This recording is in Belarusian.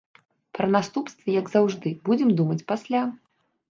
Пра наступствы, як заўжды, будзем думаць пасля.